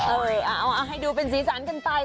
เออเอาให้ดูเป็นศีรษะอันกันไป